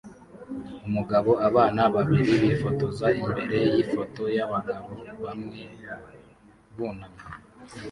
Umugabo abana babiri bifotoza imbere yifoto yabagabo bamwe bunamye